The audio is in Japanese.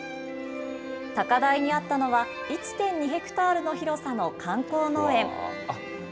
高台にあったのは、１．２ヘクタールの広さの観光農園。